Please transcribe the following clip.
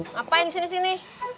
ngapain di sini sini